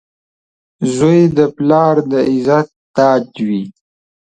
• زوی د پلار د عزت تاج وي.